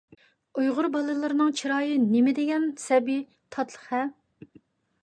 ئۇيغۇر بالىلىرىنىڭ چىرايى نېمىدېگەن سەبىي، تاتلىق-ھە!